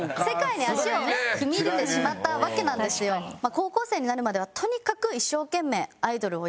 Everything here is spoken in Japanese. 高校生になるまではとにかく。